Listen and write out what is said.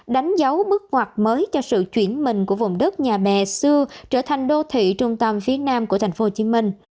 đánh dấu bước ngoặt mới cho sự chuyển mình của vùng đất nhà bè xưa trở thành đô thị trung tâm phía nam của tp hcm